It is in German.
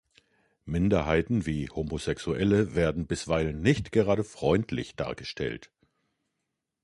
Minderheiten wie Homosexuelle werden bisweilen nicht gerade freundlich dargestellt.